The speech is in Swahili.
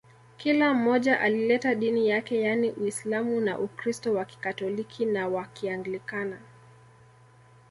Kila mmoja alileta dini yake yaani Uislamu na Ukristo wa Kikatoliki na wa Kianglikana